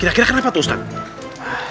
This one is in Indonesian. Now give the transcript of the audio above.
kira kira kenapa tuh ustadz